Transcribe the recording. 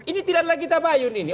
ini tidak lagi tabayun ini